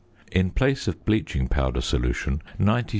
In place of bleaching powder solution, 90 c.